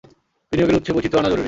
বিনিয়োগের উৎসে বৈচিত্র আনা জরুরি।